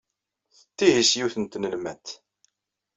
Tettihi s yiwet n tnelmadt.